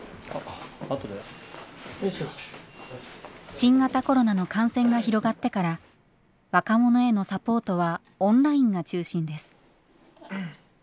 新型コロナの感染が広がってから若者へのサポートはオンラインが中心です。